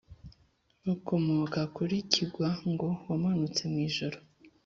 bakomoka kuri kigwa (ngo wamanutse mu ijuru)